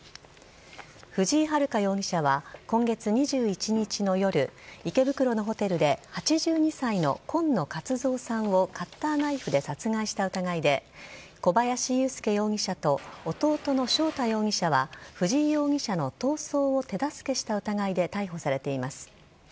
藤井遥容疑者は、今月２１日の夜、池袋のホテルで、８２歳の今野勝蔵さんをカッターナイフで殺害した疑いで、小林優介容疑者と弟の翔太容疑者は、藤井容疑者の逃走を手助けした疑いで逮捕されています。